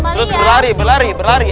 terus berlari berlari berlari